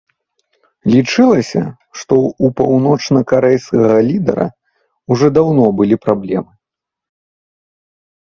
Лічылася, што ў паўночнакарэйскага лідара ўжо даўно былі праблемы.